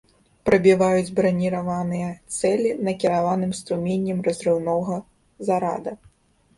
Прабіваюць браніраваныя цэлі накіраваным струменем разрыўнога зарада.